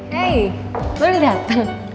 hei baru dateng